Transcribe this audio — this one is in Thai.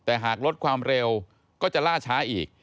แต่หากลดความเร็วก็จะล่าช้าอีก